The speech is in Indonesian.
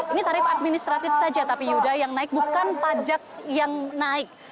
ini tarif administratif saja tapi yuda yang naik bukan pajak yang naik